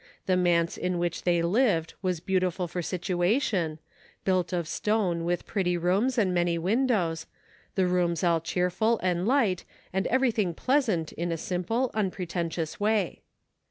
The manse in which they lived was beautiful for situation, built of stone with pretty rooms and many windows, the rooms all cheer ful and light and everything pleasant in a simple, un pretentious way.